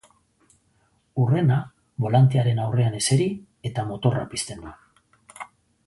Hurrena, bolantearen aurrean eseri eta motorra pizten du.